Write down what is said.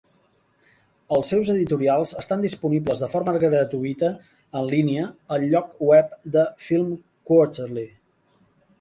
Els seus editorials estan disponibles de forma gratuïta en línia al lloc web de "Film Quarterly".